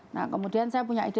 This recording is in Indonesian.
nah kemudian saya punya ide